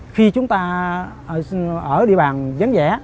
khi chúng ta ở địa bàn dấn rẽ